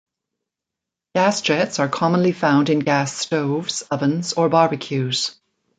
Gas jets are commonly found in gas stoves, ovens, or barbecues.